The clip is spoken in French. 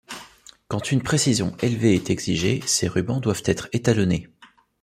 Quand une précision élevée est exigée, ces rubans doivent être étalonnés.